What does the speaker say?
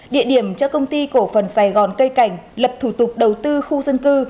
địa điểm cho công ty cổ phần sài gòn cây cảnh lập thủ tục đầu tư khu dân cư